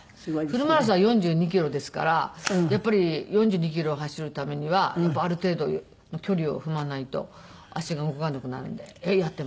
フルマラソンは４２キロですからやっぱり４２キロを走るためにはある程度の距離を踏まないと足が動かなくなるんでやっています。